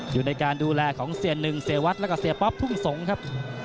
อยู่ในการดูแลของเสียหนึ่งเสียวัดแล้วก็เสียป๊อปทุ่งสงศ์ครับ